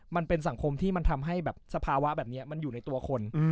มันเป็นสังคมที่มันทำให้แบบสภาวะแบบนี้มันอยู่ในตัวคน